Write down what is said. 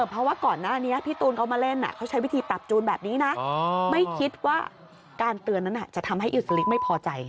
เพราะว่าก่อนหน้านี้พี่ตูนเขามาเล่นเขาใช้วิธีปรับจูนแบบนี้นะไม่คิดว่าการเตือนนั้นจะทำให้อิสลิกไม่พอใจ